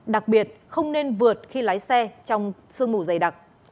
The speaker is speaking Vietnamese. đặc biệt không nên vượt khi lái xe trong sương mù dày đặc